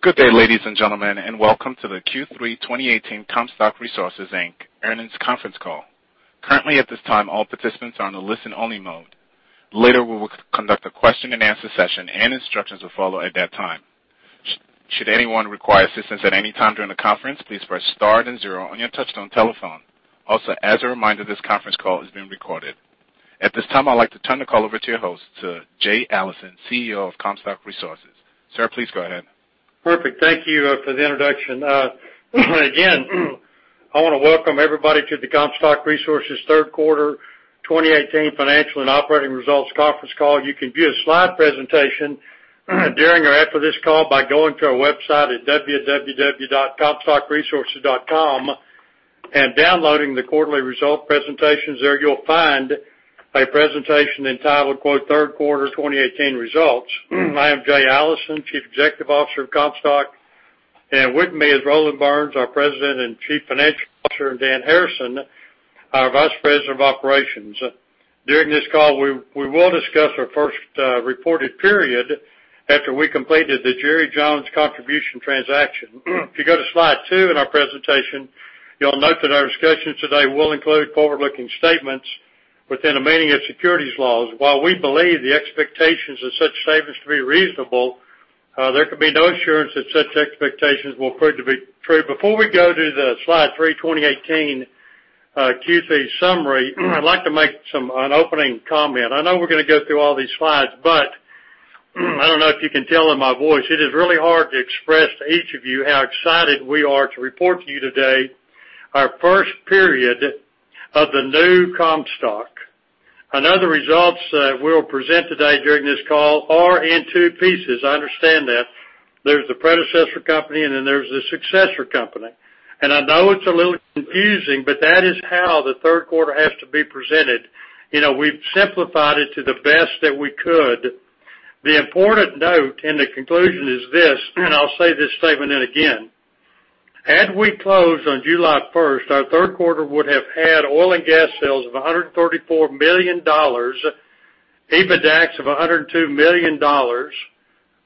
Good day, ladies and gentlemen, and welcome to the Q3 2018 Comstock Resources Inc. Earnings Conference Call. Currently, at this time, all participants are on a listen-only mode. Later, we will conduct a question-and-answer session, and instructions will follow at that time. Should anyone require assistance at any time during the conference, please press star and zero on your touch-tone telephone. Also, as a reminder, this conference call is being recorded. At this time, I'd like to turn the call over to your host, to Jay Allison, CEO of Comstock Resources. Sir, please go ahead. Perfect. Thank you for the introduction. Again, I want to welcome everybody to the Comstock Resources third quarter 2018 financial and operating results conference call. You can view a slide presentation during or after this call by going to our website at www.comstockresources.com and downloading the quarterly result presentations there. You'll find a presentation entitled, quote, "Third Quarter 2018 Results." I am Jay Allison, Chief Executive Officer of Comstock, and with me is Roland Burns, our President and Chief Financial Officer, and Dan Harrison, our Vice President of Operations. During this call, we will discuss our first reported period after we completed the Jerry Jones contribution transaction. If you go to slide two in our presentation, you'll note that our discussions today will include forward-looking statements within the meaning of securities laws. While we believe the expectations of such statements to be reasonable, there can be no assurance that such expectations will prove to be true. Before we go to the slide three 2018 Q3 summary, I'd like to make an opening comment. I know we're going to go through all these slides, I don't know if you can tell in my voice, it is really hard to express to each of you how excited we are to report to you today our first period of the new Comstock. I know the results that we'll present today during this call are in two pieces. I understand that. There's the predecessor company, and then there's the successor company, I know it's a little confusing, but that is how the third quarter has to be presented. We've simplified it to the best that we could. The important note in the conclusion is this, I'll say this statement again. Had we closed on July 1st, our third quarter would have had oil and gas sales of $134 million, EBITDAX of $102 million,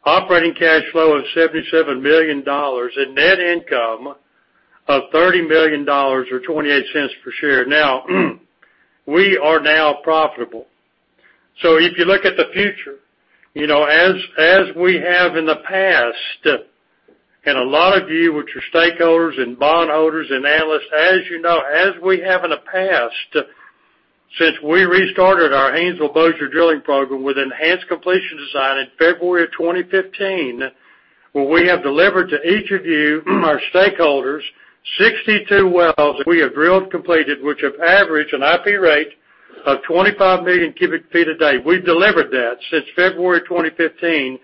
operating cash flow of $77 million, and net income of $30 million or $0.28 per share. If you look at the future, as we have in the past, a lot of you, which are stakeholders and bondholders, analysts, as you know, as we have in the past, since we restarted our Haynesville Bossier drilling program with enhanced completion design in February of 2015, where we have delivered to each of you, our stakeholders, 62 wells we have drilled and completed, which have averaged an IP rate of 25 million cubic feet a day. We've delivered that since February 2015.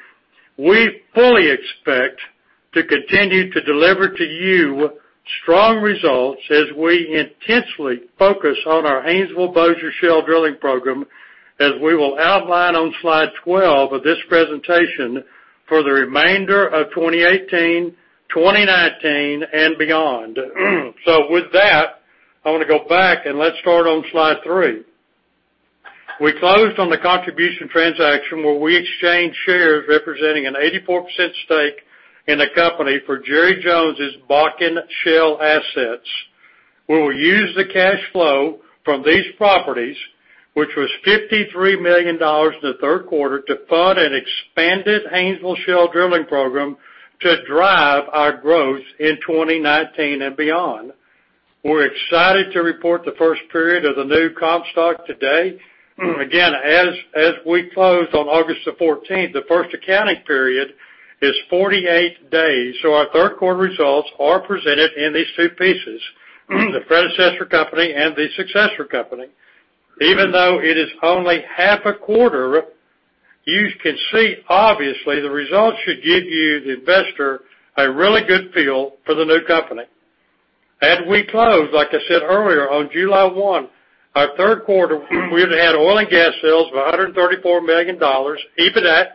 We fully expect to continue to deliver to you strong results as we intensely focus on our Haynesville Bossier Shale drilling program, as we will outline on slide 12 of this presentation for the remainder of 2018, 2019, and beyond. With that, I want to go back and let's start on slide three. We closed on the contribution transaction where we exchanged shares representing an 84% stake in the company for Jerry Jones' Bakken Shale assets. We will use the cash flow from these properties, which was $53 million in the third quarter, to fund an expanded Haynesville Shale drilling program to drive our growth in 2019 and beyond. We're excited to report the first period of the new Comstock today. Again, as we closed on August the 14th, the first accounting period is 48 days, our third quarter results are presented in these two pieces, the predecessor company and the successor company. Even though it is only half a quarter, you can see, obviously, the results should give you, the investor, a really good feel for the new company. As we close, like I said earlier, on July 1, our third quarter, we'd had oil and gas sales of $134 million, EBITDAX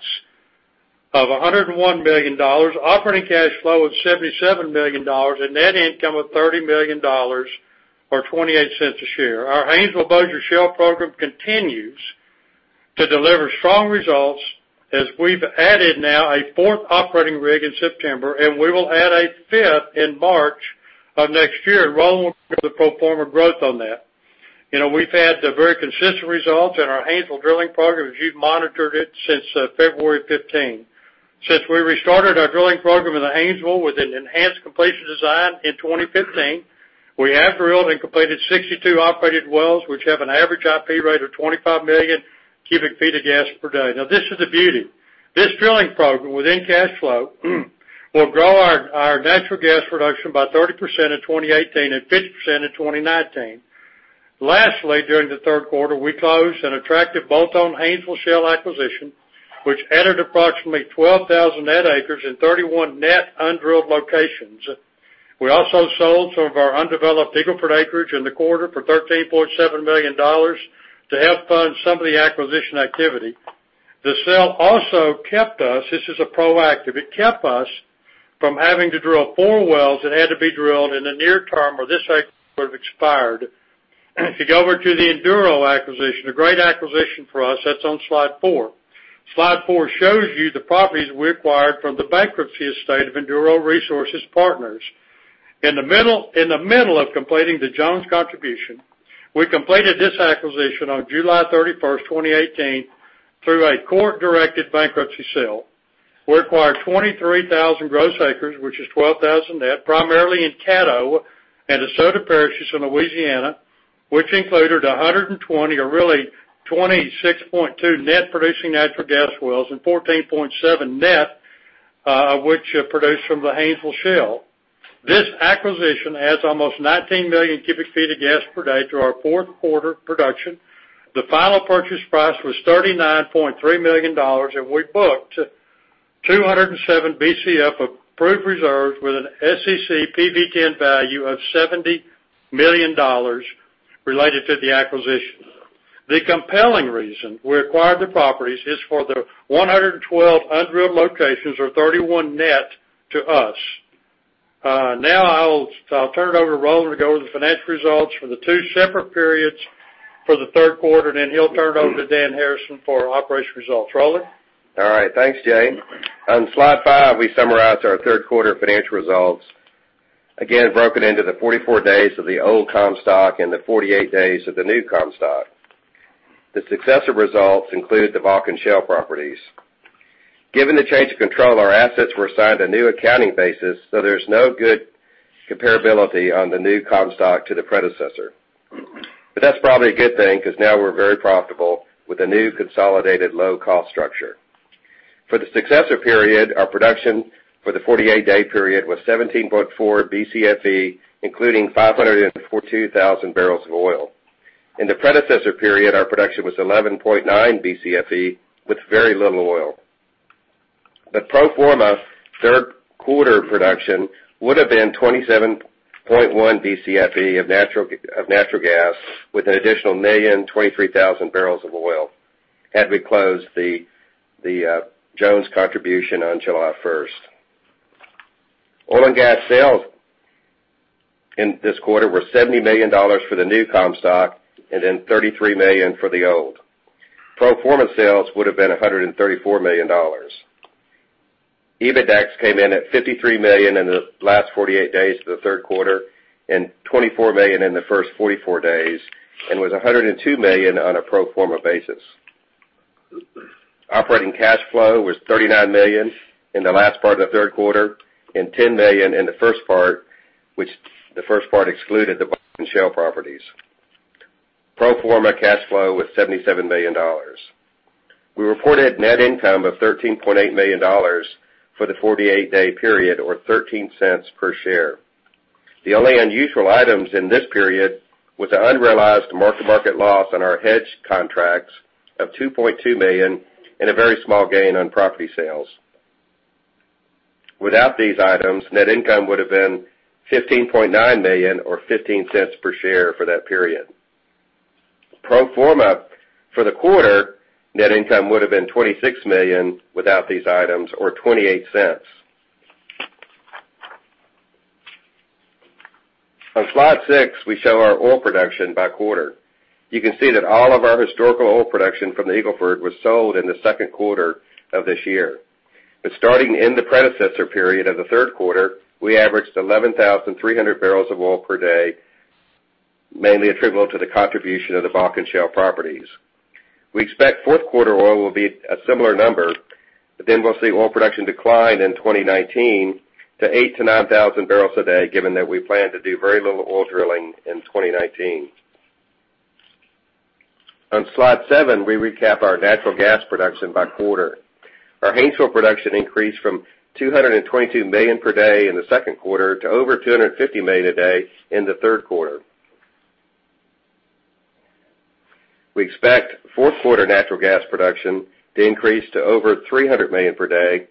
of $102 million, operating cash flow of $77 million, and net income of $30 million or $0.28 a share. Our Haynesville Bossier Shale program continues to deliver strong results as we've added now a fourth operating rig in September, and we will add a fifth in March of next year. Roland will go through the pro forma growth on that. We've had the very consistent results in our Haynesville drilling program, as you've monitored it since February 2015. Since we restarted our drilling program in the Haynesville with an enhanced completion design in 2015, we have drilled and completed 62 operated wells, which have an average IP rate of 25 million cubic feet of gas per day. Now, this is the beauty. This drilling program with in-cash flow will grow our natural gas production by 30% in 2018 and 50% in 2019. Lastly, during the third quarter, we closed an attractive bolt-on Haynesville Shale acquisition, which added approximately 12,000 net acres in 31 net undrilled locations. We also sold some of our undeveloped Eagle Ford acreage in the quarter for $13.7 million to help fund some of the acquisition activity. The sale also kept us, this is a proactive, it kept us from having to drill four wells that had to be drilled in the near term or this acreage would have expired. To go over to the Enduro acquisition, a great acquisition for us. That's on slide four. Slide four shows you the properties we acquired from the bankruptcy estate of Enduro Resource Partners. In the middle of completing the Jones contribution, we completed this acquisition on July 31st, 2018, through a court-directed bankruptcy sale. We acquired 23,000 gross acres, which is 12,000 net, primarily in Caddo and DeSoto parishes in Louisiana, which included 120 or really 26.2 net producing natural gas wells and 14.7 net, which produced from the Haynesville Shale. This acquisition adds almost 19 million cubic feet of gas per day to our fourth quarter production. The final purchase price was $39.3 million. We booked 207 Bcf of proved reserves with an SEC PV-10 value of $70 million related to the acquisition. The compelling reason we acquired the properties is for the 112 undrilled locations or 31 net to us. I'll turn it over to Roland to go over the financial results for the two separate periods for the third quarter. Then he'll turn it over to Dan Harrison for operation results. Roland? All right. Thanks, Jay. On slide five, we summarized our third quarter financial results. Again, broken into the 44 days of the old Comstock and the 48 days of the new Comstock. The successive results include the Bakken Shale properties. Given the change of control, our assets were assigned a new accounting basis, there's no good comparability on the new Comstock to the predecessor. That's probably a good thing because now we're very profitable with a new consolidated low-cost structure. For the successive period, our production for the 48-day period was 17.4 Bcfe, including 542,000 barrels of oil. In the predecessor period, our production was 11.9 Bcfe with very little oil. The pro forma third quarter production would have been 27.1 Bcfe of natural gas, with an additional 1,023,000 barrels of oil had we closed the Jones contribution on July 1st. Oil and gas sales in this quarter were $70 million for the new Comstock, $33 million for the old. Pro forma sales would have been $134 million. EBITDAX came in at $53 million in the last 48 days of the third quarter and $24 million in the first 44 days, was $102 million on a pro forma basis. Operating cash flow was $39 million in the last part of the third quarter and $10 million in the first part, which the first part excluded the Bakken Shale properties. Pro forma cash flow was $77 million. We reported net income of $13.8 million for the 48-day period or $0.13 per share. The only unusual items in this period was the unrealized mark-to-market loss on our hedged contracts of $2.2 million and a very small gain on property sales. Without these items, net income would have been $15.9 million or $0.15 per share for that period. Pro forma for the quarter, net income would have been $26 million without these items or $0.28. On slide six, we show our oil production by quarter. You can see that all of our historical oil production from the Eagle Ford was sold in the second quarter of this year. Starting in the predecessor period of the third quarter, we averaged 11,300 barrels of oil per day, mainly attributable to the contribution of the Bakken Shale properties. We expect fourth quarter oil will be a similar number. We'll see oil production decline in 2019 to 8,000-9,000 barrels a day, given that we plan to do very little oil drilling in 2019. On slide seven, we recap our natural gas production by quarter. Our Haynesville production increased from 222 million per day in the second quarter to over 250 million a day in the third quarter. We expect fourth quarter natural gas production to increase to over 300 million per day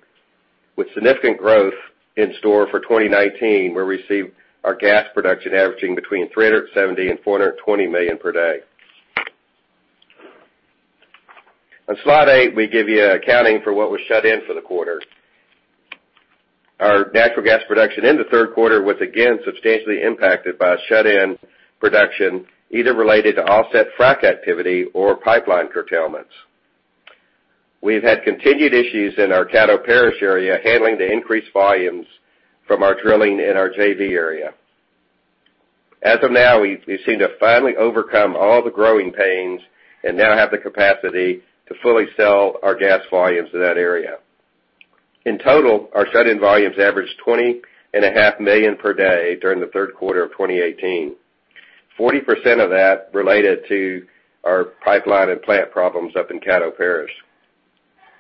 with significant growth in store for 2019, where we see our gas production averaging between 370 and 420 million per day. On slide eight, we give you accounting for what was shut in for the quarter. Our natural gas production in the third quarter was again substantially impacted by shut-in production, either related to offset frac activity or pipeline curtailments. We've had continued issues in our Caddo Parish area handling the increased volumes from our drilling in our JV area. As of now, we seem to finally overcome all the growing pains and now have the capacity to fully sell our gas volumes to that area. In total, our shut-in volumes averaged 20.5 million per day during the third quarter of 2018. 40% of that related to our pipeline and plant problems up in Caddo Parish,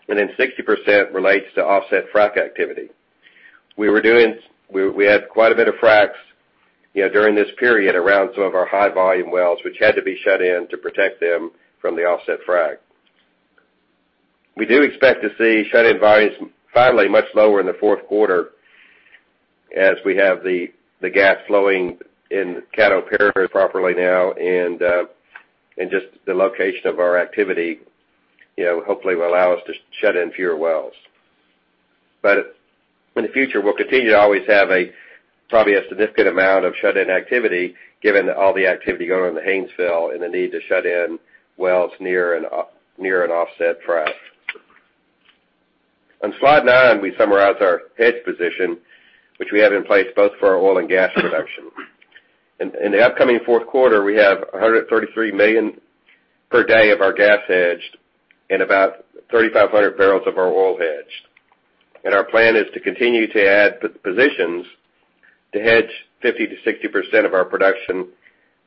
60% relates to offset frac activity. We had quite a bit of fracs during this period around some of our high-volume wells, which had to be shut in to protect them from the offset frac. We do expect to see shut-in volumes finally much lower in the fourth quarter as we have the gas flowing in Caddo Parish properly now, and just the location of our activity hopefully will allow us to shut in fewer wells. In the future, we'll continue to always have probably a significant amount of shut-in activity, given all the activity going on in the Haynesville and the need to shut in wells near an offset frac. On slide nine, we summarize our hedge position, which we have in place both for our oil and gas production. In the upcoming fourth quarter, we have 133 million per day of our gas hedged and about 3,500 barrels of our oil hedged. Our plan is to continue to add positions to hedge 50%-60% of our production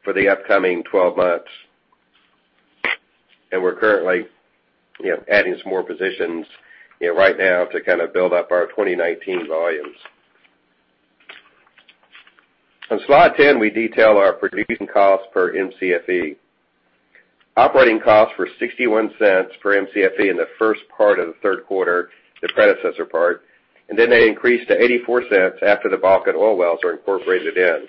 for the upcoming 12 months. We're currently adding some more positions right now to build up our 2019 volumes. On slide 10, we detail our production costs per Mcfe. Operating costs were $0.61 per Mcfe in the first part of the third quarter, the predecessor part, then they increased to $0.84 after the Bakken oil wells are incorporated in.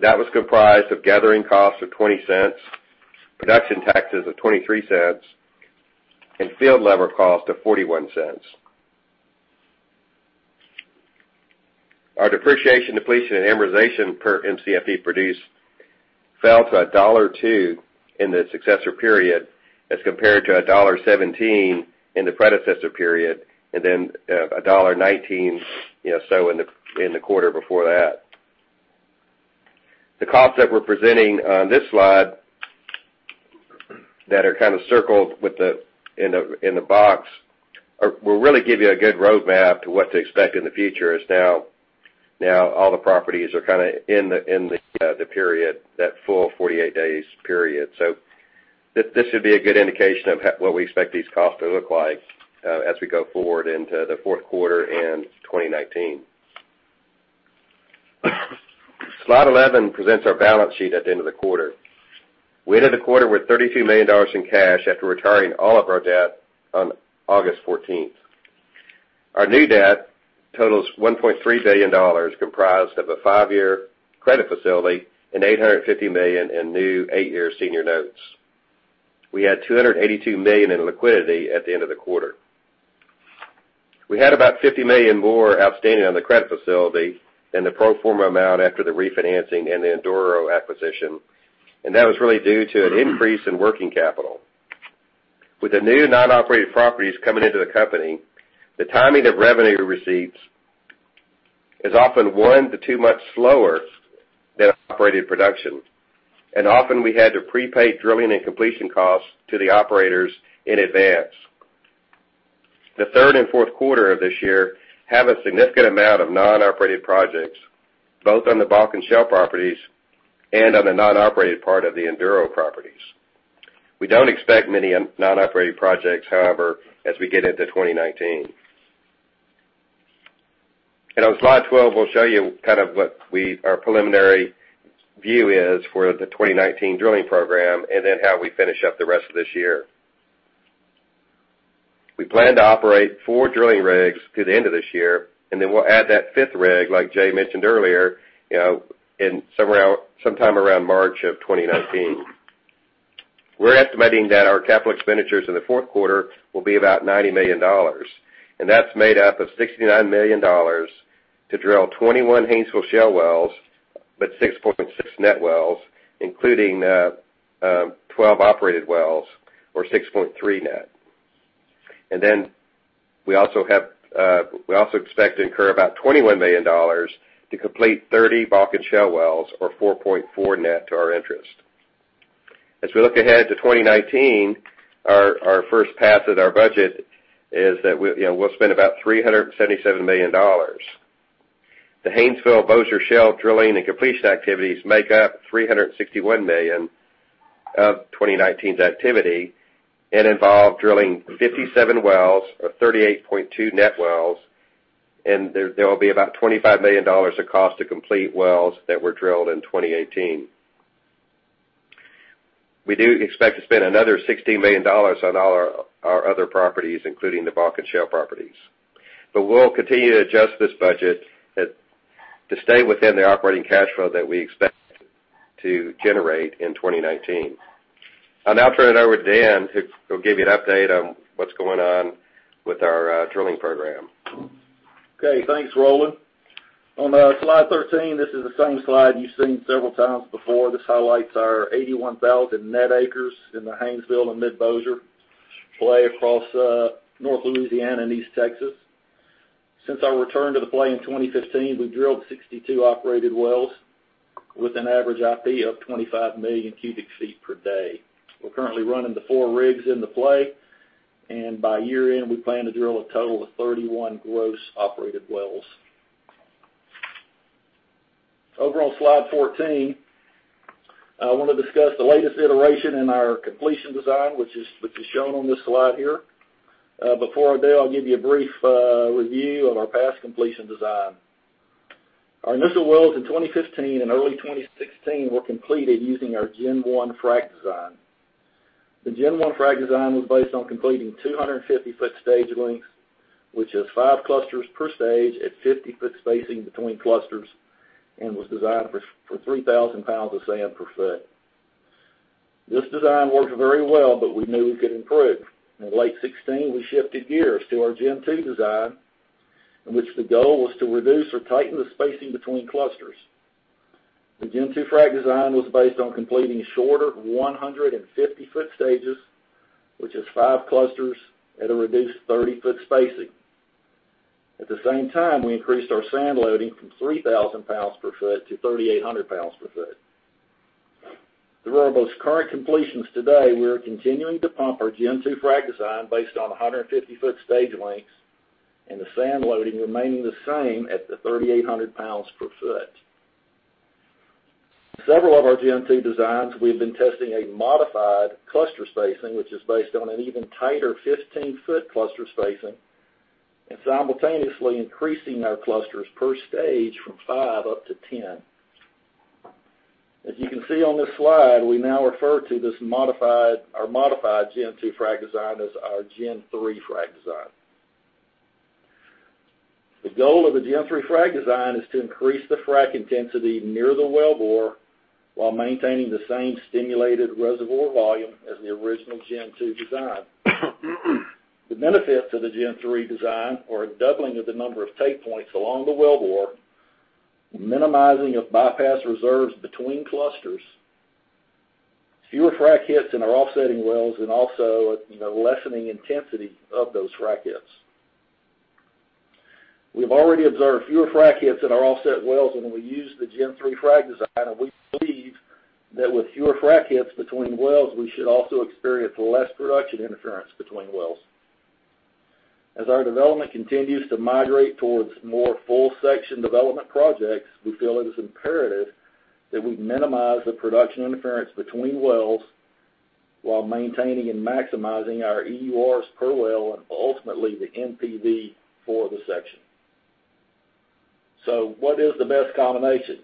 That was comprised of gathering costs of $0.20, production taxes of $0.23, and field level cost of $0.41. Our depreciation, depletion, and amortization per Mcfe produced fell to $1.02 in the successor period as compared to $1.17 in the predecessor period, $1.19 in the quarter before that. The costs that we're presenting on this slide that are circled in the box will really give you a good roadmap to what to expect in the future, as now all the properties are in the period, that full 48 days period. This should be a good indication of what we expect these costs to look like as we go forward into the fourth quarter and 2019. Slide 11 presents our balance sheet at the end of the quarter. We ended the quarter with $32 million in cash after retiring all of our debt on August 14th. Our new debt totals $1.3 billion, comprised of a five-year credit facility and $850 million in new eight-year senior notes. We had $282 million in liquidity at the end of the quarter. We had about $50 million more outstanding on the credit facility than the pro forma amount after the refinancing and the Enduro acquisition, and that was really due to an increase in working capital. With the new non-operated properties coming into the company, the timing of revenue receipts is often one to two months slower than operated production, and often we had to pre-pay drilling and completion costs to the operators in advance. The third and fourth quarter of this year have a significant amount of non-operated projects, both on the Bakken Shale properties and on the non-operated part of the Enduro properties. We don't expect many non-operated projects, however, as we get into 2019. On slide 12, we'll show you what our preliminary view is for the 2019 drilling program, how we finish up the rest of this year. We plan to operate four drilling rigs through the end of this year, we'll add that fifth rig, like Jay mentioned earlier, sometime around March of 2019. We're estimating that our capital expenditures in the fourth quarter will be about $90 million, and that's made up of $69 million to drill 21 Haynesville Shale wells, but 6.6 net wells, including 12 operated wells or 6.3 net. We also expect to incur about $21 million to complete 30 Bakken Shale wells or 4.4 net to our interest. We look ahead to 2019, our first pass at our budget is that we'll spend about $377 million. The Haynesville Bossier Shale drilling and completion activities make up $361 million of 2019's activity and involve drilling 57 wells or 38.2 net wells, and there will be about $25 million of cost to complete wells that were drilled in 2018. We do expect to spend another $16 million on all our other properties, including the Bakken Shale properties. We'll continue to adjust this budget to stay within the operating cash flow that we expect to generate in 2019. I'll now turn it over to Dan, who will give you an update on what's going on with our drilling program. Okay, thanks, Roland. On slide 13, this is the same slide you've seen several times before. This highlights our 81,000 net acres in the Haynesville and Mid-Bossier play across North Louisiana and East Texas. Since our return to the play in 2015, we've drilled 62 operated wells with an average IP of 25 million cubic feet per day. We're currently running the four rigs in the play, by year-end, we plan to drill a total of 31 gross operated wells. On slide 14, I want to discuss the latest iteration in our completion design, which is shown on this slide here. Before I do, I'll give you a brief review of our past completion design. Our initial wells in 2015 and early 2016 were completed using our Gen 1 frac design. The Gen 1 frac design was based on completing 250-foot stage lengths, which is 5 clusters per stage at 50-foot spacing between clusters and was designed for 3,000 pounds of sand per foot. This design worked very well, but we knew we could improve. In late 2016, we shifted gears to our Gen2 design, in which the goal was to reduce or tighten the spacing between clusters. The Gen2 frac design was based on completing shorter 150-foot stages, which is 5 clusters at a reduced 30-foot spacing. At the same time, we increased our sand loading from 3,000 pounds per foot to 3,800 pounds per foot. For our most current completions today, we are continuing to pump our Gen2 frac design based on 150-foot stage lengths, and the sand loading remaining the same at the 3,800 pounds per foot. Several of our Gen2 designs, we've been testing a modified cluster spacing, which is based on an even tighter 15-foot cluster spacing, and simultaneously increasing our clusters per stage from 5 up to 10. As you can see on this slide, we now refer to this modified Gen2 frac design as our Gen3 frac design. The goal of the Gen3 frac design is to increase the frac intensity near the wellbore while maintaining the same stimulated reservoir volume as the original Gen2 design. The benefits of the Gen3 design are a doubling of the number of take points along the wellbore, the minimizing of bypass reserves between clusters, fewer frac hits in our offsetting wells, and also a lessening intensity of those frac hits. We've already observed fewer frac hits in our offset wells when we use the Gen3 frac design, and we believe that with fewer frac hits between wells, we should also experience less production interference between wells. As our development continues to migrate towards more full section development projects, we feel it is imperative that we minimize the production interference between wells while maintaining and maximizing our EURs per well and ultimately the NPV for the section. What is the best combination?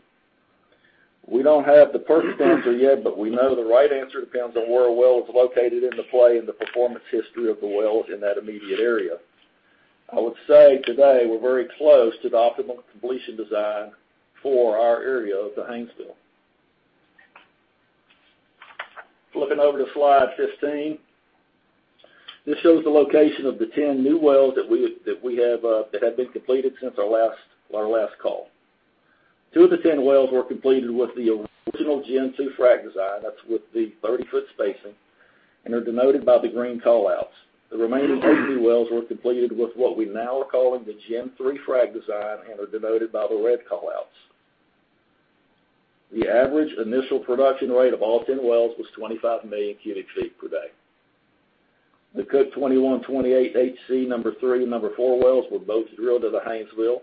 We don't have the perfect answer yet, but we know the right answer depends on where a well is located in the play and the performance history of the well in that immediate area. I would say today we're very close to the optimal completion design for our area of the Haynesville. Flipping over to slide 15. This shows the location of the 10 new wells that have been completed since our last call. 2 of the 10 wells were completed with the original Gen2 frac design, that's with the 30-foot spacing, and are denoted by the green call-outs. The remaining 8 wells were completed with what we now are calling the Gen3 frac design and are denoted by the red call-outs. The average initial production rate of all 10 wells was 25 million cubic feet per day. The Cook 21/28 HC number 3 and number 4 wells were both drilled to the Haynesville.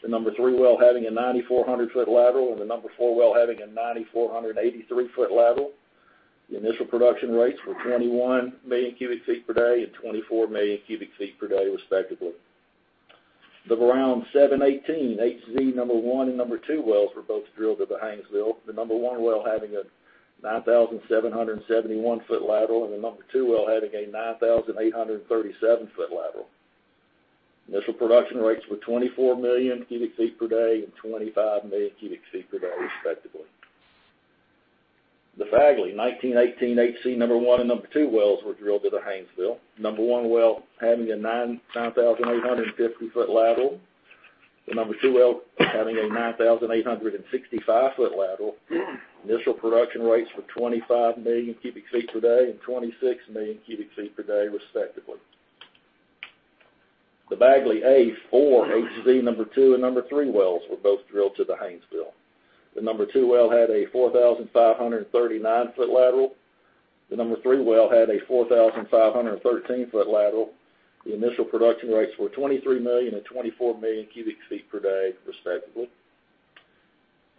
The number 3 well having a 9,400-foot lateral, and the number 4 well having a 9,483-foot lateral. The initial production rates were 21 million cubic feet per day and 24 million cubic feet per day, respectively. The Brown 7/18 HZ number 1 and number 2 wells were both drilled to the Haynesville. The number 1 well having a 9,771-foot lateral, the number 2 well having a 9,837-foot lateral. Initial production rates were 24 million cubic feet per day and 25 million cubic feet per day, respectively. The Fagley 19/18 HC number 1 and number 2 wells were drilled to the Haynesville. The number 1 well having a 9,850-foot lateral. The number 2 well having a 9,865-foot lateral. Initial production rates were 25 million cubic feet per day and 26 million cubic feet per day, respectively. The Bagley A-4 HZ number 2 and number 3 wells were both drilled to the Haynesville. The number 2 well had a 4,539-foot lateral. The number 3 well had a 4,513-foot lateral. The initial production rates were 23 million and 24 million cubic feet per day, respectively.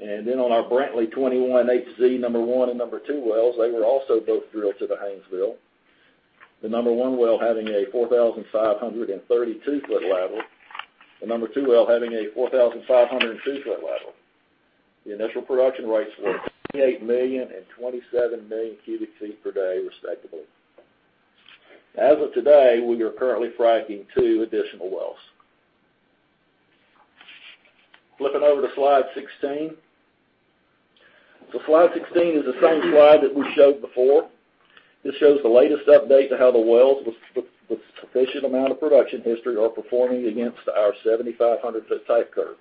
On our Brantley 21 HZ number 1 and number 2 wells, they were also both drilled to the Haynesville. The number 1 well having a 4,532-foot lateral. The number 2 well having a 4,502-foot lateral. The initial production rates were 28 million and 27 million cubic feet per day, respectively. As of today, we are currently fracking two additional wells. Flipping over to slide 16. Slide 16 is the same slide that we showed before. This shows the latest update to how the wells with sufficient amount of production history are performing against our 7,500-foot type curve.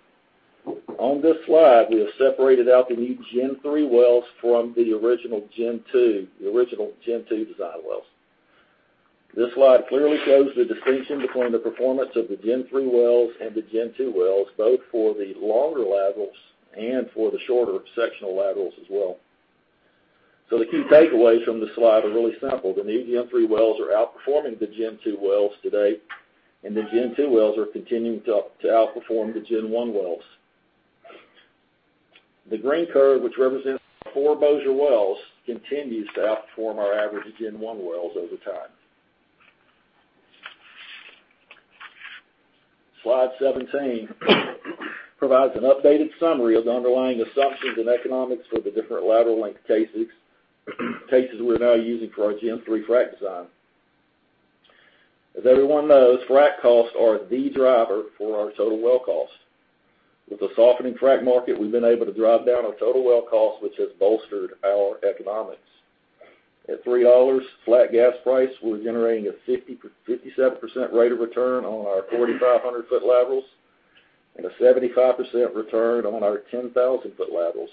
On this slide, we have separated out the new Gen3 wells from the original Gen2 design wells. This slide clearly shows the distinction between the performance of the Gen3 wells and the Gen2 wells, both for the longer laterals and for the shorter sectional laterals as well. The key takeaways from this slide are really simple. The new Gen3 wells are outperforming the Gen2 wells today, and the Gen2 wells are continuing to outperform the Gen1 wells. The green curve, which represents four Bossier wells, continues to outperform our average Gen1 wells over time. Slide 17 provides an updated summary of the underlying assumptions and economics for the different lateral length cases we're now using for our Gen3 frac design. As everyone knows, frac costs are the driver for our total well costs. With the softening frac market, we've been able to drive down our total well cost, which has bolstered our economics. At $3 flat gas price, we're generating a 57% rate of return on our 4,500-foot laterals and a 75% return on our 10,000-foot laterals.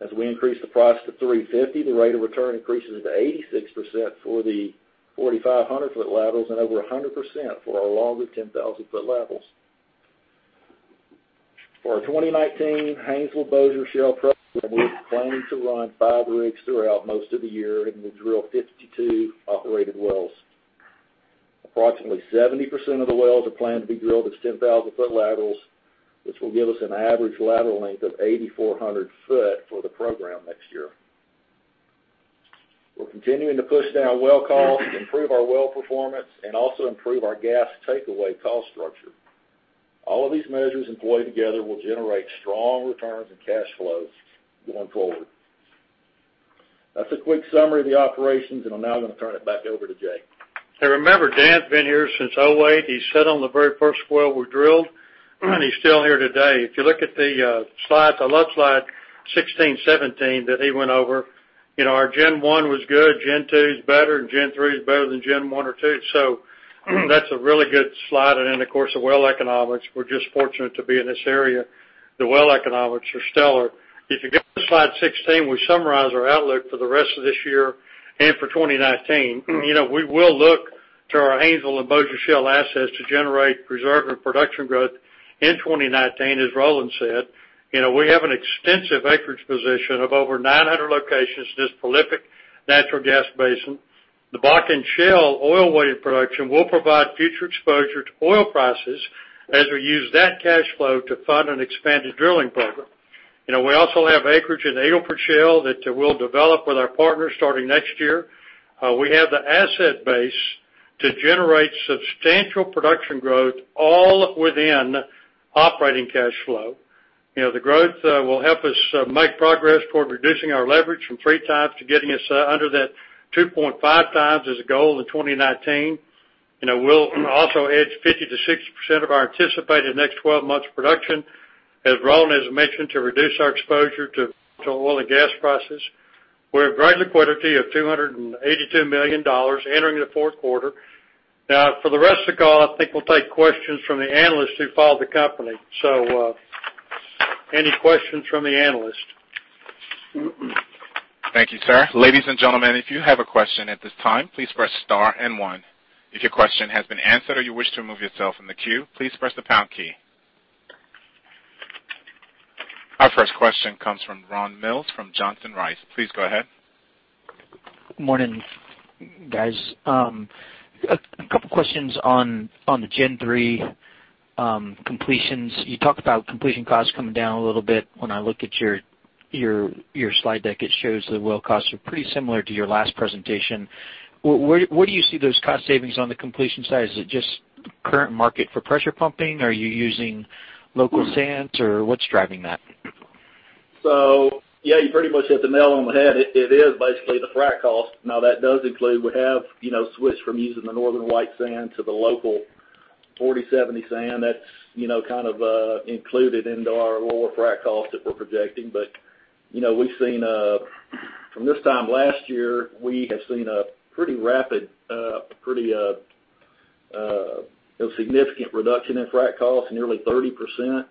As we increase the price to $3.50, the rate of return increases to 86% for the 4,500-foot laterals and over 100% for our longest 10,000-foot laterals. For our 2019 Haynesville Bossier Shale program, we're planning to run five rigs throughout most of the year, and we'll drill 52 operated wells. Approximately 70% of the wells are planned to be drilled as 10,000-foot laterals, which will give us an average lateral length of 8,400 foot for the program next year. We're continuing to push down well costs, improve our well performance, and also improve our gas takeaway cost structure. All of these measures employed together will generate strong returns and cash flows going forward. That's a quick summary of the operations, and I'm now going to turn it back over to Jay. Remember, Dan's been here since 2008. He sat on the very first well we drilled, and he's still here today. If you look at the slides, I love slide 16, 17, that he went over. Our Gen 1 was good. Gen2's better, and Gen3 is better than Gen 1 or 2. That's a really good slide. Then, of course, the well economics. We're just fortunate to be in this area. The well economics are stellar. If you go to slide 16, we summarize our outlook for the rest of this year and for 2019. We will look to our Haynesville and Bossier Shale assets to generate reserve and production growth in 2019. As Roland said, we have an extensive acreage position of over 900 locations in this prolific natural gas basin. The Bakken Shale oil weighted production will provide future exposure to oil prices as we use that cash flow to fund an expanded drilling program. We also have acreage in [Adelpha Shale that we'll develop with our partners starting next year. We have the asset base to generate substantial production growth all within operating cash flow. The growth will help us make progress toward reducing our leverage from 3 times to getting us under that 2.5 times as a goal in 2019. We'll also hedge 50%-60% of our anticipated next 12 months production, as Roland has mentioned, to reduce our exposure to oil and gas prices. We have great liquidity of $282 million entering the fourth quarter. For the rest of the call, I think we'll take questions from the analysts who follow the company. Any questions from the analysts? Thank you, sir. Ladies and gentlemen, if you have a question at this time, please press star and one. If your question has been answered or you wish to remove yourself from the queue, please press the pound key. Our first question comes from Ron Mills from Johnson Rice. Please go ahead. Morning, guys. A couple questions on the Gen3 completions. You talked about completion costs coming down a little bit. When I look at your slide deck, it shows the well costs are pretty similar to your last presentation. Where do you see those cost savings on the completion side? Is it just current market for pressure pumping? Are you using local sands, or what's driving that? Yeah, you pretty much hit the nail on the head. It is basically the frac cost. That does include, we have switched from using the Northern White sand to the local 40/70 sand. That's included into our lower frac cost that we're projecting. From this time last year, we have seen a pretty rapid, pretty significant reduction in frac cost, nearly 30%.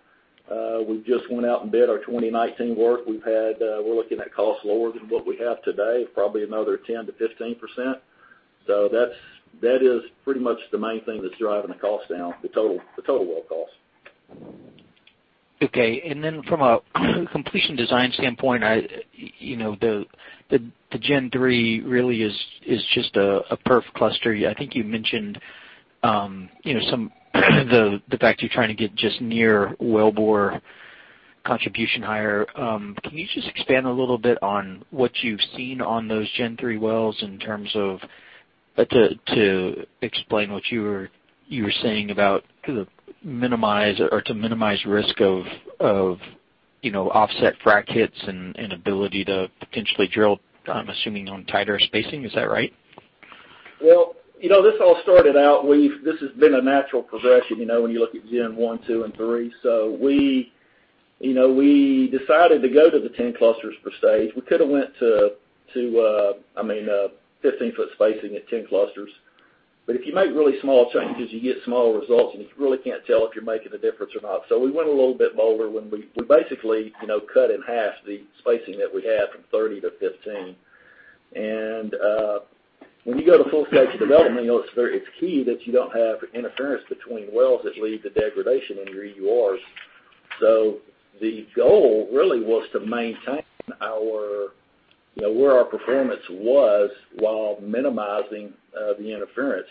We just went out and bid our 2019 work. We're looking at costs lower than what we have today, probably another 10%-15%. That is pretty much the main thing that's driving the cost down, the total well cost. Okay, from a completion design standpoint, the Gen3 really is just a perf cluster. I think you mentioned the fact you're trying to get just near wellbore contribution higher. Can you just expand a little bit on what you've seen on those Gen3 wells in terms of minimizing risk of offset frac hits and ability to potentially drill, I'm assuming, on tighter spacing. Is that right? Well, this has been a natural progression, when you look at Gen 1, 2, and 3. We decided to go to the 10 clusters per stage. We could've went to 15-foot spacing at 10 clusters. If you make really small changes, you get small results, and you really can't tell if you're making a difference or not. We went a little bit bolder when we basically cut in half the spacing that we had from 30 to 15. When you go to full section development, it's key that you don't have interference between wells that lead to degradation in your EURs. The goal really was to maintain where our performance was while minimizing the interference.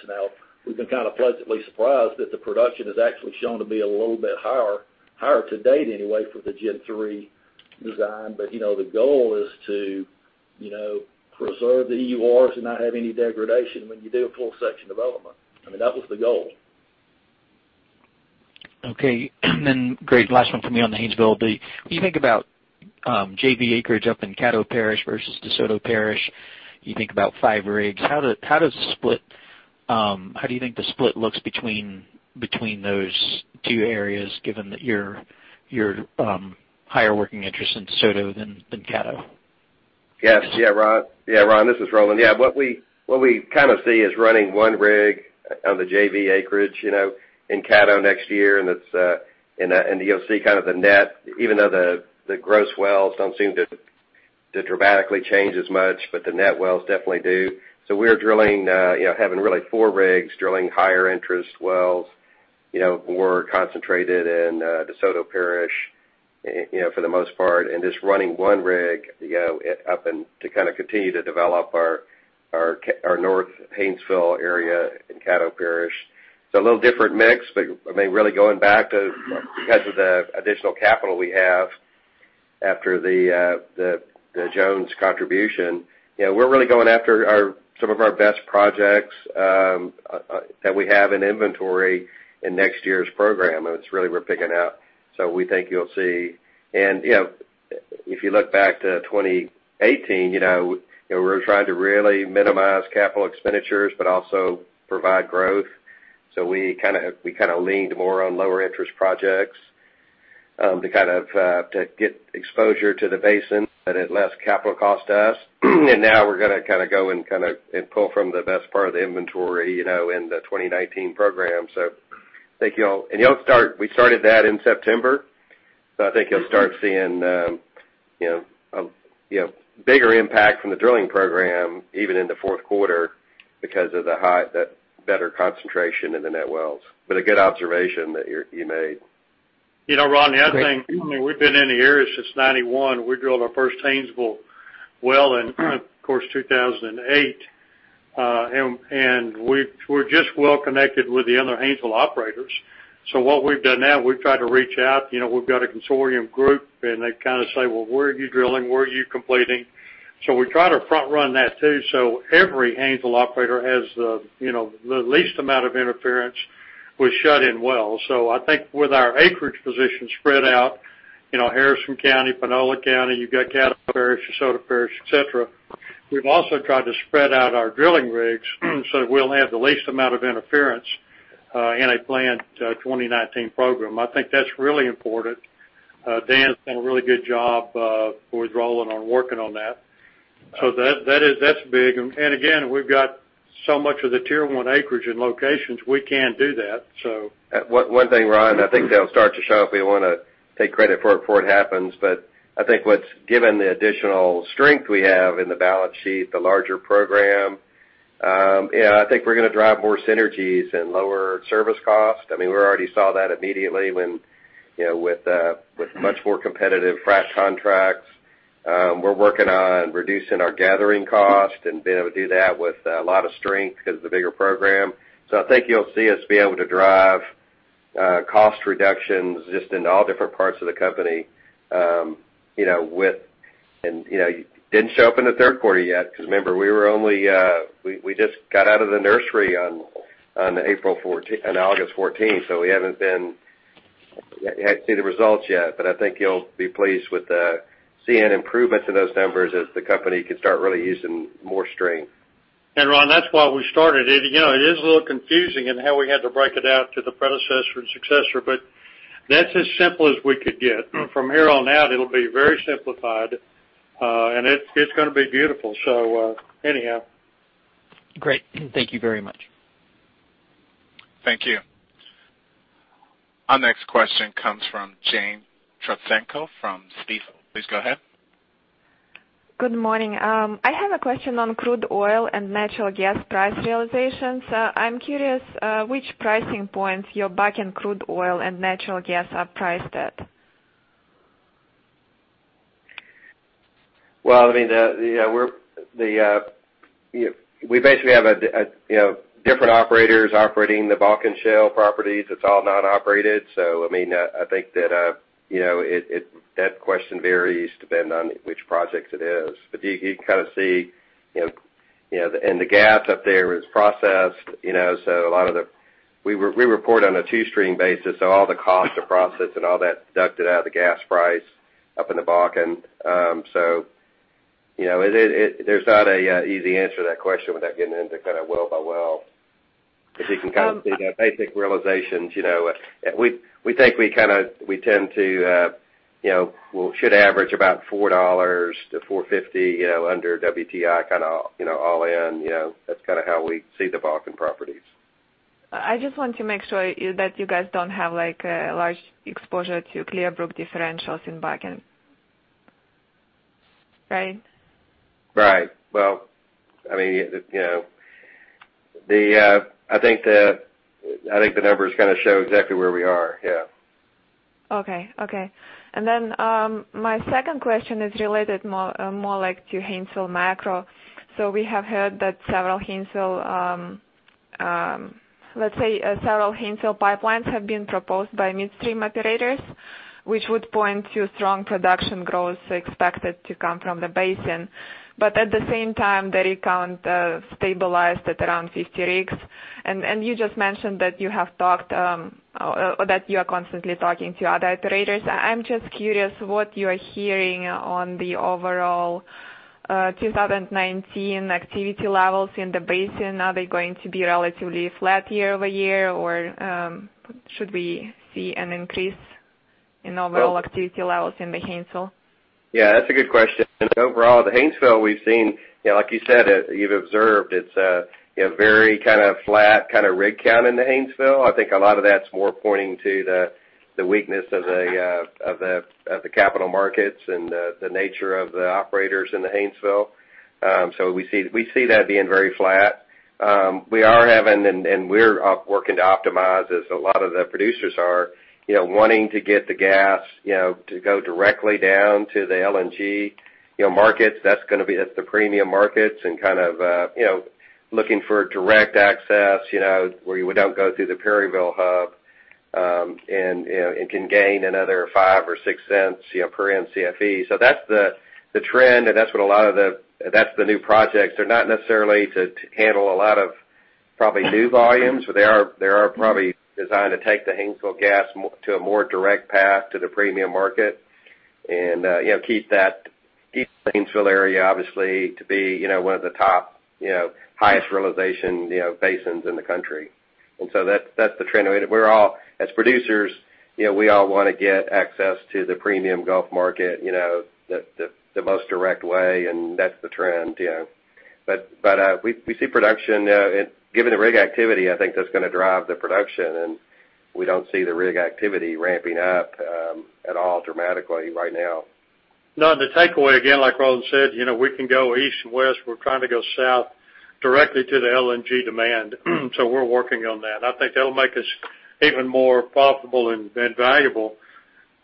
We've been pleasantly surprised that the production has actually shown to be a little bit higher to date anyway, for the Gen3 design. The goal is to preserve the EURs and not have any degradation when you do a full section development. That was the goal. Okay. Great. Last one for me on the Haynesville. When you think about JV acreage up in Caddo Parish versus DeSoto Parish, you think about five rigs. How do you think the split looks between those two areas, given that you're higher working interest in DeSoto than Caddo? Yes. Ron, this is Roland. What we kind of see is running one rig on the JV acreage in Caddo next year, you'll see the net, even though the gross wells don't seem to dramatically change as much, the net wells definitely do. We're drilling, having really four rigs drilling higher interest wells, more concentrated in DeSoto Parish for the most part, just running one rig up and to continue to develop our North Haynesville area in Caddo Parish. It's a little different mix, really going back to because of the additional capital we have after the Jones contribution. We're really going after some of our best projects that we have in inventory in next year's program, it's really we're picking up. We think you'll see. If you look back to 2018, we were trying to really minimize capital expenditures but also provide growth. We leaned more on lower interest projects, to get exposure to the basin, but at less capital cost to us. Now we're going to go and pull from the best part of the inventory in the 2019 program. We started that in September, I think you'll start seeing a bigger impact from the drilling program even in the fourth quarter because of the better concentration in the net wells. A good observation that you made. Ron, the other thing, we've been in the area since 1991. We drilled our first Haynesville well in course 2008. We're just well connected with the other Haynesville operators. What we've done now, we've tried to reach out. We've got a consortium group, they say, "Well, where are you drilling? Where are you completing?" We try to front-run that too so every Haynesville operator has the least amount of interference with shut-in wells. I think with our acreage position spread out, Harrison County, Panola County, you've got Caddo Parish, DeSoto Parish, et cetera. We've also tried to spread out our drilling rigs so that we'll have the least amount of interference in a planned 2019 program. I think that's really important. Dan's done a really good job with Roland on working on that. That's big. Again, we've got so much of the Tier One acreage and locations, we can do that. One thing, Ron, I think they'll start to show up. We want to take credit for it before it happens. I think what's given the additional strength we have in the balance sheet, the larger program. I think we're going to drive more synergies and lower service costs. We already saw that immediately with much more competitive frac contracts. We're working on reducing our gathering cost and being able to do that with a lot of strength because of the bigger program. I think you'll see us be able to drive cost reductions just in all different parts of the company. It didn't show up in the third quarter yet because remember, we just got out of the nursery on August 14th, so we haven't seen the results yet. I think you'll be pleased with seeing improvements in those numbers as the company can start really using more strength. Ron, that's why we started it. It is a little confusing in how we had to break it out to the predecessor and successor, but that's as simple as we could get. From here on out, it'll be very simplified. It's going to be beautiful. Great. Thank you very much. Thank you. Our next question comes from Jane Trotsenko from Stifel. Please go ahead. Good morning. I have a question on crude oil and natural gas price realizations. I'm curious which pricing points your Bakken crude oil and natural gas are priced at? Well, we basically have different operators operating the Bakken Shale properties. It's all non-operated. I think that question varies depending on which projects it is. You can kind of see, and the gas up there is processed. We report on a two-stream basis, so all the costs are processed and all that's deducted out of the gas price up in the Bakken. There's not an easy answer to that question without getting into well by well. You can see the basic realizations. We think we should average about $4-$4.50 under WTI all in. That's how we see the Bakken properties. I just want to make sure that you guys don't have a large exposure to Clearbrook differentials in Bakken. Right? Right. Well, I think the numbers show exactly where we are, yeah. Okay. Then my second question is related more to Haynesville macro. We have heard that, let's say, several Haynesville pipelines have been proposed by midstream operators, which would point to strong production growth expected to come from the basin. At the same time, the rig count stabilized at around 50 rigs. You just mentioned that you are constantly talking to other operators. I'm just curious what you are hearing on the overall 2019 activity levels in the basin. Are they going to be relatively flat year-over-year, or should we see an increase in overall activity levels in the Haynesville? Yeah, that's a good question. Overall, the Haynesville, we've seen, like you said, you've observed, it's very flat rig count in the Haynesville. I think a lot of that's more pointing to the weakness of the capital markets and the nature of the operators in the Haynesville. We see that being very flat. We are having, and we're working to optimize as a lot of the producers are, wanting to get the gas to go directly down to the LNG markets. That's the premium markets, looking for direct access, where you would not go through the Perryville hub, can gain another $0.05 or $0.06 per Mcfe. That's the trend, that's the new projects. They're not necessarily to handle a lot of probably new volumes, but they are probably designed to take the Haynesville gas to a more direct path to the premium market, and keep the Haynesville area, obviously, to be one of the top highest realization basins in the country. That's the trend. As producers, we all want to get access to the premium Gulf market, the most direct way, and that's the trend. We see production, given the rig activity, I think that's going to drive the production, and we don't see the rig activity ramping up at all dramatically right now. No, the takeaway, again, like Roland said, we can go east and west, we're trying to go south directly to the LNG demand. We're working on that. I think that'll make us even more profitable and valuable,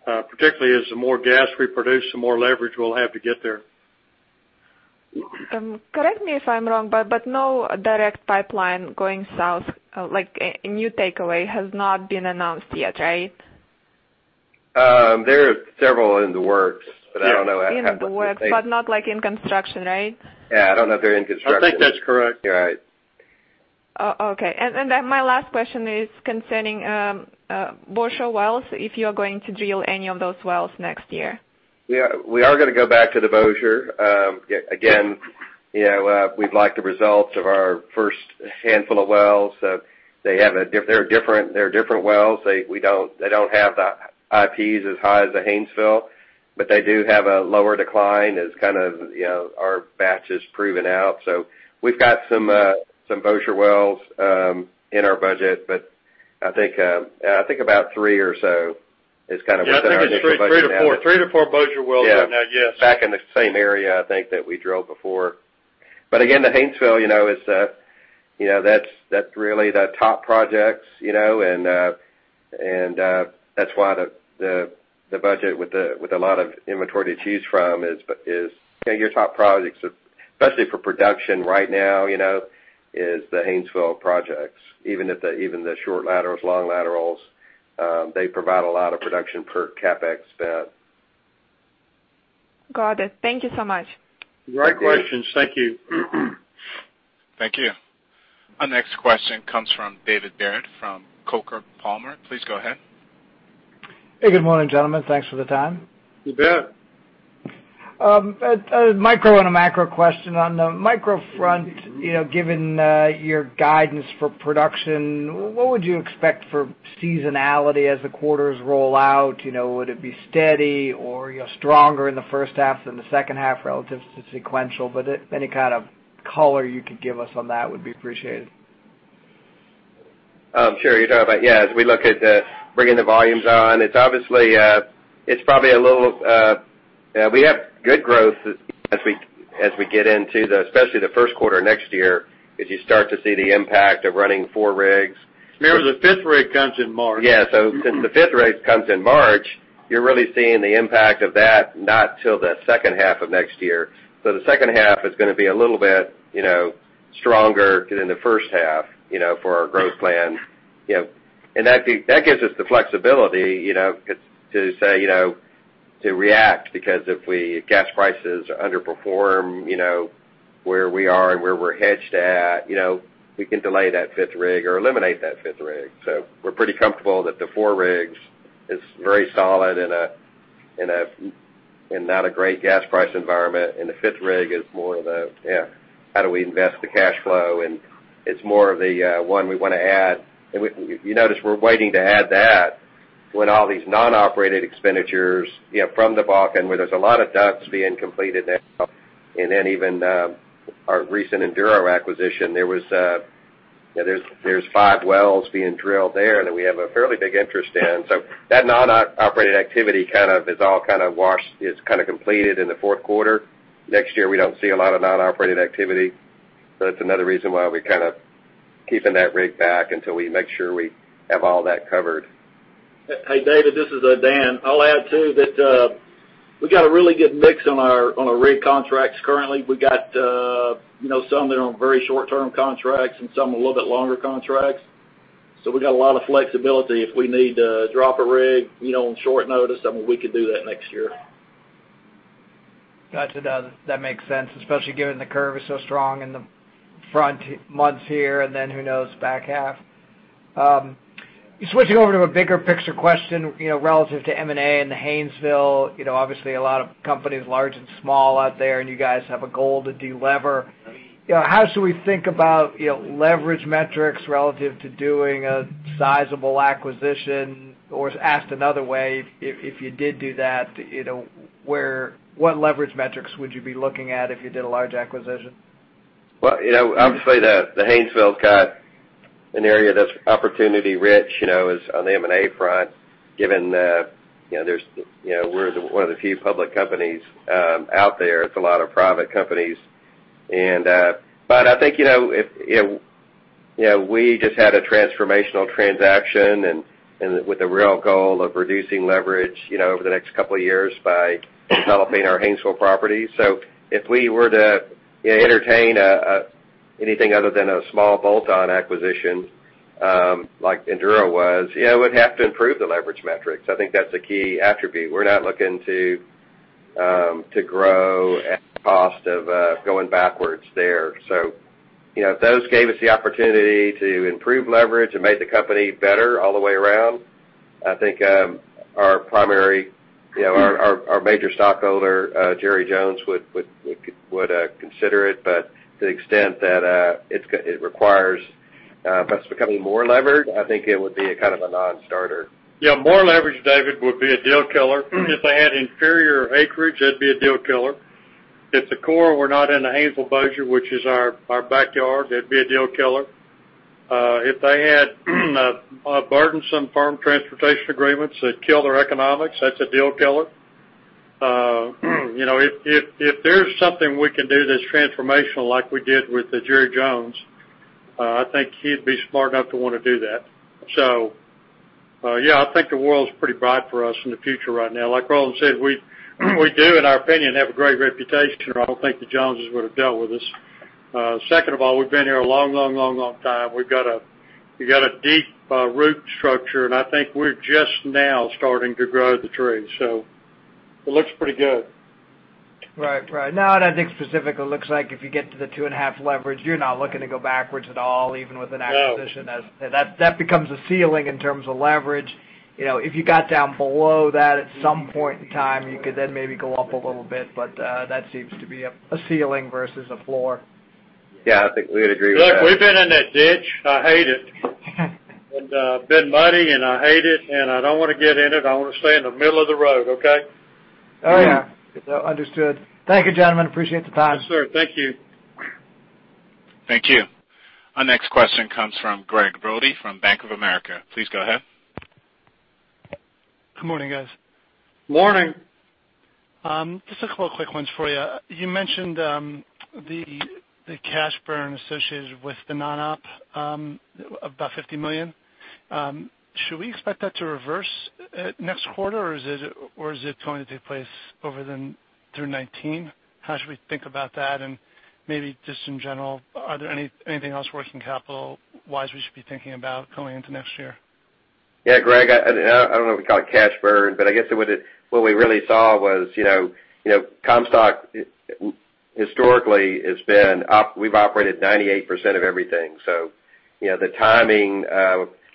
particularly as the more gas we produce, the more leverage we'll have to get there. Correct me if I'm wrong, no direct pipeline going south, like a new takeaway, has not been announced yet, right? There are several in the works, I don't know. In the works, but not in construction, right? Yeah, I don't know if they're in construction. I think that's correct. You're right. Okay. My last question is concerning Bossier wells, if you're going to drill any of those wells next year. We are going to go back to the Bossier. We like the results of our first handful of wells. They're different wells. They don't have IPs as high as the Haynesville, they do have a lower decline as our batch has proven out. We've got some Bossier wells in our budget, I think about three or so is what's in our initial budget now. I think it's three to four Bossier wells right now. Yes. Back in the same area, I think, that we drilled before. The Haynesville, that's really the top projects, that's why the budget with a lot of inventory to choose from is your top projects, especially for production right now, is the Haynesville projects. Even the short laterals, long laterals, they provide a lot of production per CapEx spend. Got it. Thank you so much. Great questions. Thank you. Thank you. Our next question comes from David Deckelbaum from Coker Palmer. Please go ahead. Hey, good morning, gentlemen. Thanks for the time. You bet. A micro and a macro question. On the micro front, given your guidance for production, what would you expect for seasonality as the quarters roll out? Would it be steady or stronger in the first half than the second half relative to sequential? Any kind of color you could give us on that would be appreciated. Sure. You're talking about as we look at bringing the volumes on. We have good growth as we get into especially the first quarter next year, as you start to see the impact of running four rigs. Remember, the fifth rig comes in March. Since the fifth rig comes in March, you're really seeing the impact of that not till the second half of next year. The second half is going to be a little bit stronger than the first half for our growth plan. That gives us the flexibility to react, because if gas prices underperform where we are and where we're hedged at, we can delay that fifth rig or eliminate that fifth rig. We're pretty comfortable that the four rigs is very solid in not a great gas price environment, and the fifth rig is more of the, how do we invest the cash flow, and it's more of the one we want to add. You notice we're waiting to add that when all these non-operated expenditures from the Bakken, where there's a lot of DUCs being completed there, and then even our recent Enduro acquisition. There's five wells being drilled there, that we have a fairly big interest in. That non-operated activity is all completed in the fourth quarter. Next year, we don't see a lot of non-operated activity. That's another reason why we're keeping that rig back until we make sure we have all that covered. Hey, David, this is Dan. I'll add, too, that. We got a really good mix on our rig contracts currently. We got some that are on very short-term contracts and some a little bit longer contracts. We got a lot of flexibility. If we need to drop a rig on short notice, we can do that next year. Got you, that makes sense, especially given the curve is so strong in the front months here and then who knows back half. Switching over to a bigger picture question, relative to M&A and the Haynesville, obviously a lot of companies, large and small out there, and you guys have a goal to de-lever. How should we think about leverage metrics relative to doing a sizable acquisition? Or asked another way, if you did do that, what leverage metrics would you be looking at if you did a large acquisition? Obviously, the Haynesville's an area that's opportunity rich, on the M&A front, given that we're one of the few public companies out there. It's a lot of private companies. I think, we just had a transformational transaction and with the real goal of reducing leverage over the next couple of years by developing our Haynesville properties. If we were to entertain anything other than a small bolt-on acquisition, like Enduro was, it would have to improve the leverage metrics. I think that's a key attribute. We're not looking to grow at the cost of going backwards there. If those gave us the opportunity to improve leverage and made the company better all the way around, I think our major stockholder, Jerry Jones, would consider it. To the extent that it requires us becoming more levered, I think it would be a kind of a non-starter. More leverage, David, would be a deal killer. If they had inferior acreage, that'd be a deal killer. If the core were not in the Haynesville Bossier, which is our backyard, that'd be a deal killer. If they had a burdensome firm transportation agreements that kill their economics, that's a deal killer. If there's something we can do that's transformational, like we did with the Jerry Jones, I think he'd be smart enough to want to do that. I think the world's pretty bright for us in the future right now. Like Roland said, we do, in our opinion, have a great reputation, or I don't think the Joneses would've dealt with us. Second of all, we've been here a long time. We've got a deep route structure, and I think we're just now starting to grow the tree. It looks pretty good. I think specifically looks like if you get to the 2.5 leverage, you're not looking to go backwards at all, even with an acquisition. No. That becomes a ceiling in terms of leverage. If you got down below that at some point in time, you could then maybe go up a little bit, that seems to be a ceiling versus a floor. Yeah. I think we'd agree with that. Look, we've been in a ditch. I hate it, been muddy, and I hate it, and I don't want to get in it. I want to stay in the middle of the road, okay? Oh, yeah. Understood. Thank you, gentlemen. Appreciate the time. Yes, sir. Thank you. Thank you. Our next question comes from Gregg Brody from Bank of America. Please go ahead. Good morning, guys. Morning. Just a couple of quick ones for you. You mentioned the cash burn associated with the non-op, about $50 million. Should we expect that to reverse next quarter, or is it going to take place over through 2019? How should we think about that, and maybe just in general, are there anything else working capital-wise we should be thinking about going into next year? Yeah, Gregg, I don't know if we call it cash burn, but I guess what we really saw was Comstock historically we've operated 98% of everything.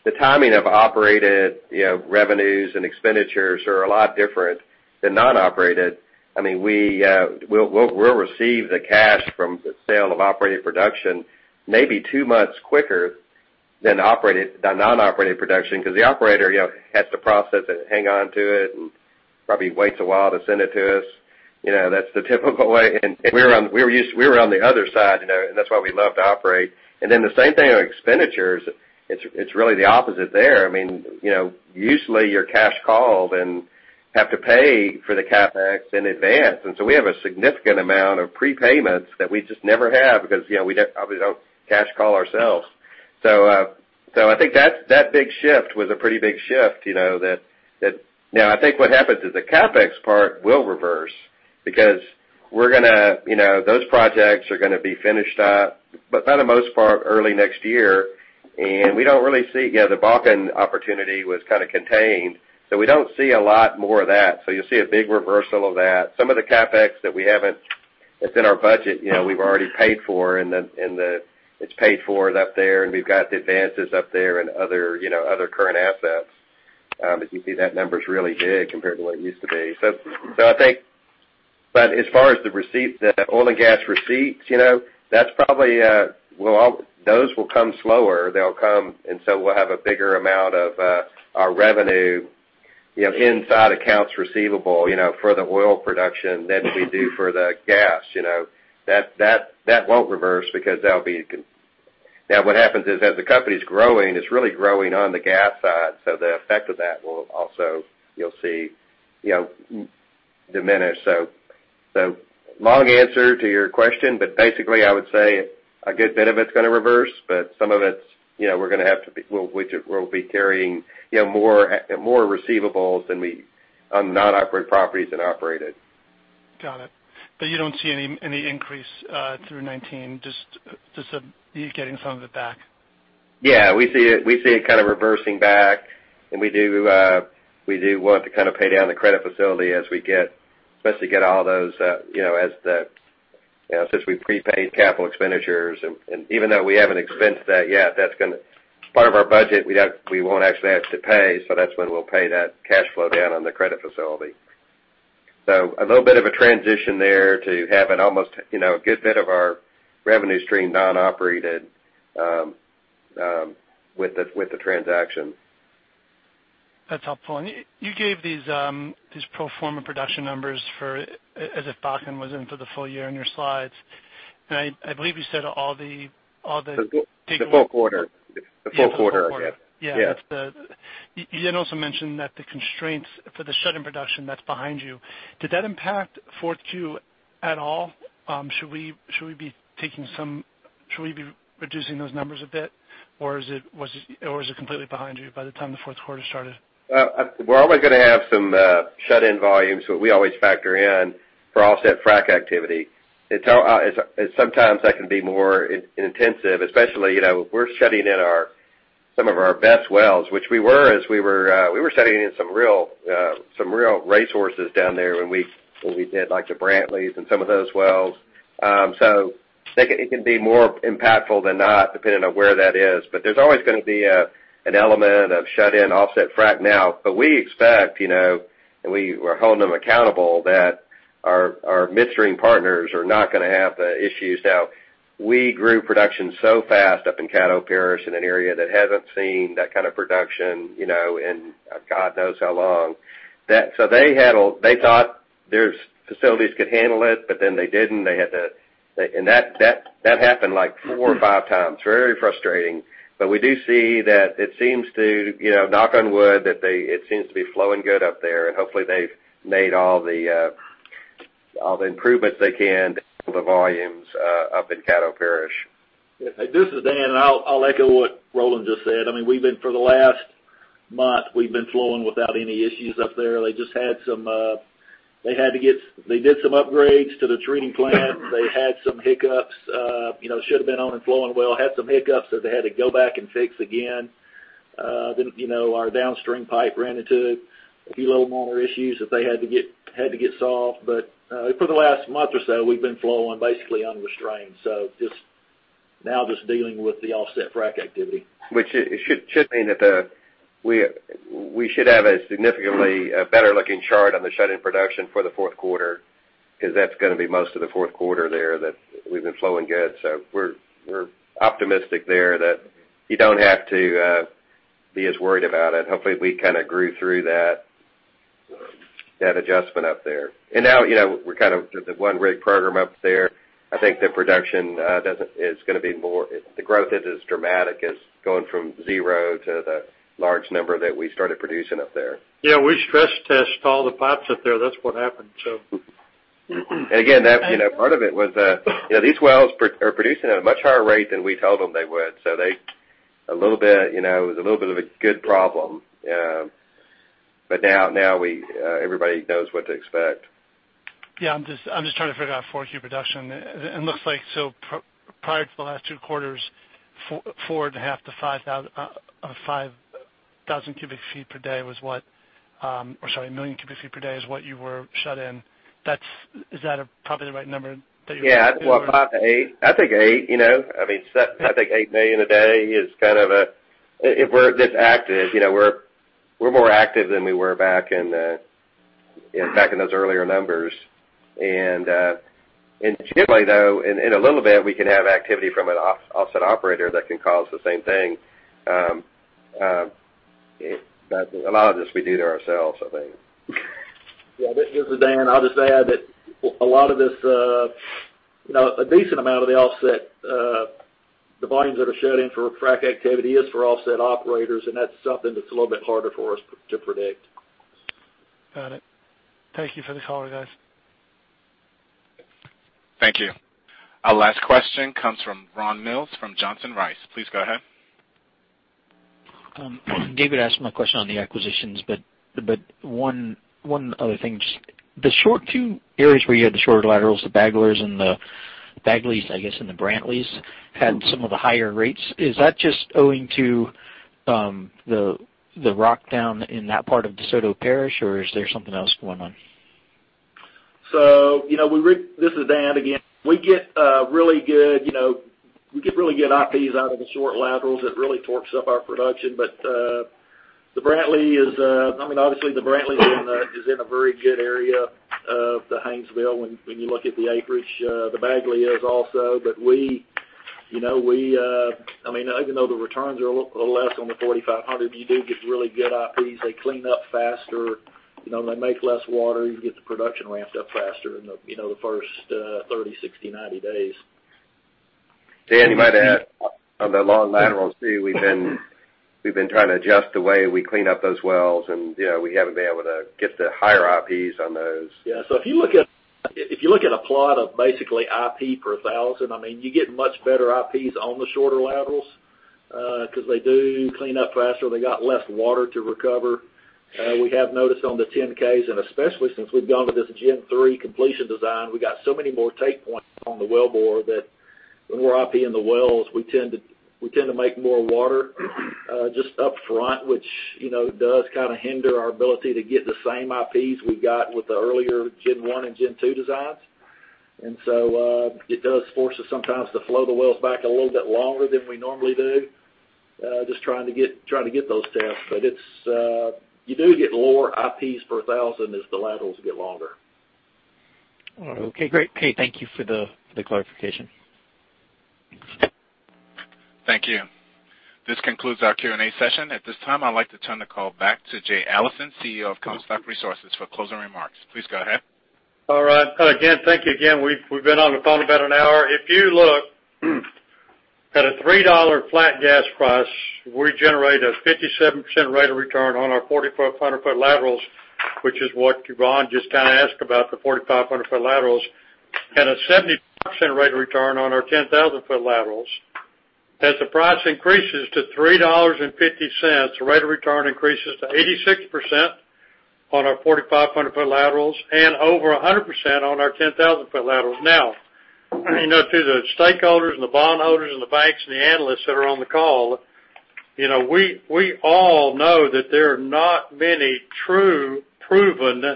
The timing of operated revenues and expenditures are a lot different than non-operated. We'll receive the cash from the sale of operated production, maybe two months quicker than non-operated production because the operator has to process it, hang on to it, and probably waits a while to send it to us. That's the typical way. We were on the other side, and that's why we love to operate. The same thing on expenditures. It's really the opposite there. Usually you're cash called and have to pay for the CapEx in advance. We have a significant amount of prepayments that we just never have because we obviously don't cash call ourselves. I think that big shift was a pretty big shift. I think what happens is the CapEx part will reverse because those projects are gonna be finished up, but by the most part early next year. The Bakken opportunity was kind of contained. We don't see a lot more of that. You'll see a big reversal of that. Some of the CapEx that's in our budget, we've already paid for, and it's paid for up there, and we've got the advances up there and other current assets. You can see that number's really big compared to what it used to be. As far as the oil and gas receipts, those will come slower. They'll come, and so we'll have a bigger amount of our revenue inside accounts receivable for the oil production than we do for the gas. That won't reverse because what happens is, as the company's growing, it's really growing on the gas side, so the effect of that you'll see diminish. Long answer to your question, but basically I would say a good bit of it's going to reverse, but some of it we'll be carrying more receivables on non-operated properties than operated. Got it. You don't see any increase through 2019, just you getting some of it back? Yeah, we see it reversing back, and we do want to pay down the credit facility as we get, especially get all those, since we prepaid capital expenditures, and even though we haven't expensed that yet, that's part of our budget we won't actually have to pay. That's when we'll pay that cash flow down on the credit facility. A little bit of a transition there to have a good bit of our revenue stream non-operated with the transaction. That's helpful. You gave these pro forma production numbers as if Bakken was in for the full year on your slides. I believe you said all the- The full quarter. Yeah, the full quarter. Yeah. You also mentioned that the constraints for the shut-in production that's behind you, did that impact fourth Q at all? Should we be reducing those numbers a bit, or is it completely behind you by the time the fourth quarter started? We're always going to have some shut-in volumes. We always factor in for offset frac activity. Sometimes that can be more intensive, especially, we're shutting in some of our best wells, which we were, as we were shutting in some real racehorses down there when we did the Brantleys and some of those wells. It can be more impactful than not, depending on where that is. There's always going to be an element of shut-in offset frac now. We expect, and we're holding them accountable that our midstream partners are not going to have the issues. We grew production so fast up in Caddo Parish, in an area that hasn't seen that kind of production, and God knows how long. They thought their facilities could handle it, but then they didn't. That happened four or five times. Very frustrating. We do see that it seems to, knock on wood, that it seems to be flowing good up there, and hopefully they've made all the improvements they can to handle the volumes up in Caddo Parish. This is Dan. I'll echo what Roland just said. I mean, for the last month, we've been flowing without any issues up there. They did some upgrades to the treating plant. They had some hiccups, should've been on and flowing well, had some hiccups that they had to go back and fix again. Our downstream pipe ran into a few little minor issues that they had to get solved. For the last month or so, we've been flowing basically unrestrained. Now just dealing with the offset frac activity. Which should mean that we should have a significantly better-looking chart on the shut-in production for the fourth quarter, because that's going to be most of the fourth quarter there that we've been flowing good. We're optimistic there that you don't have to be as worried about it. Hopefully, we grew through that adjustment up there. Now, with the one rig program up there, I think the production isn't going to be more The growth isn't as dramatic as going from zero to the large number that we started producing up there. Yeah, we stress tested all the pipes up there. That's what happened, so. Again, part of it was these wells are producing at a much higher rate than we told them they would. It was a little bit of a good problem. Now everybody knows what to expect. Yeah, I'm just trying to figure out 4Q production. It looks like, prior to the last two quarters, four and a half to 5,000 cubic feet per day was what Or sorry, 1 million cubic feet per day is what you were shut in. Is that probably the right number that you- Yeah. Well, five to eight. I think eight. I think 8 million a day is if we're this active. We're more active than we were back in those earlier numbers. Typically, though, in a little bit, we could have activity from an offset operator that can cause the same thing. A lot of this we do to ourselves, I think. Yeah. This is Dan. I'll just add that a decent amount of the volumes that are shut in for frac activity is for offset operators, and that's something that's a little bit harder for us to predict. Got it. Thank you for the color, guys. Thank you. Our last question comes from Ron Mills from Johnson Rice. Please go ahead. David asked my question on the acquisitions, but one other thing. Just the short two areas where you had the shorter laterals, the Bagleys, I guess, and the Brantleys had some of the higher rates. Is that just owing to the rock down in that part of DeSoto Parish, or is there something else going on? This is Dan again. We get really good IPs out of the short laterals that really torques up our production. Obviously, the Brantley is in a very good area of the Haynesville when you look at the acreage. The Bagley is also. Even though the returns are a little less on the 4500, you do get really good IPs. They clean up faster. They make less water. You get the production ramped up faster in the first 30, 60, 90 days. Dan, you might add on the long laterals too, we've been trying to adjust the way we clean up those wells, and we haven't been able to get the higher IPs on those. Yeah. If you look at a plot of basically IP per 1,000, you get much better IPs on the shorter laterals, because they do clean up faster. They got less water to recover. We have noticed on the 10Ks, especially since we've gone with this Gen3 completion design, we got so many more take points on the wellbore that when we're IP-ing the wells, we tend to make more water just up front, which does hinder our ability to get the same IPs we got with the earlier Gen1 and Gen2 designs. It does force us sometimes to flow the wells back a little bit longer than we normally do, just trying to get those tests. You do get lower IPs per 1,000 as the laterals get longer. All right. Okay, great. Hey, thank you for the clarification. Thank you. This concludes our Q&A session. At this time, I'd like to turn the call back to Jay Allison, CEO of Comstock Resources, for closing remarks. Please go ahead. All right. Again, thank you again. We've been on the phone about an hour. If you look at a $3 flat gas price, we generate a 57% rate of return on our 4,500-foot laterals, which is what Ron just asked about, the 4,500-foot laterals, and a 70% rate of return on our 10,000-foot laterals. As the price increases to $3.50, the rate of return increases to 86% on our 4,500-foot laterals and over 100% on our 10,000-foot laterals. To the stakeholders and the bondholders and the banks and the analysts that are on the call, we all know that there are not many true proven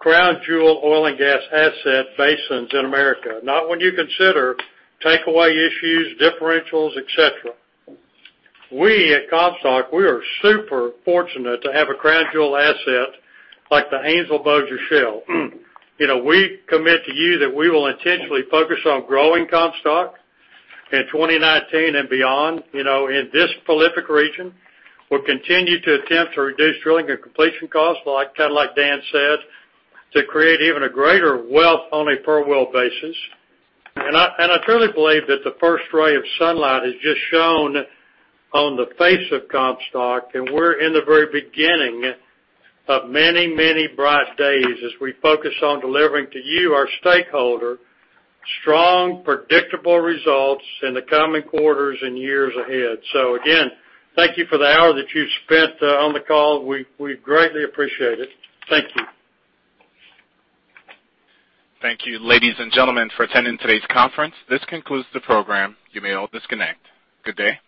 crown jewel oil and gas asset basins in America. Not when you consider takeaway issues, differentials, et cetera. We at Comstock, we are super fortunate to have a crown jewel asset like the Haynesville Bossier Shale. We commit to you that we will intentionally focus on growing Comstock in 2019 and beyond. In this prolific region, we'll continue to attempt to reduce drilling and completion costs, like Dan said, to create even a greater wealth on a per well basis. I truly believe that the first ray of sunlight has just shone on the face of Comstock, and we're in the very beginning of many bright days as we focus on delivering to you, our stakeholder, strong, predictable results in the coming quarters and years ahead. Again, thank you for the hour that you've spent on the call. We greatly appreciate it. Thank you. Thank you, ladies and gentlemen, for attending today's conference. This concludes the program. You may all disconnect. Good day.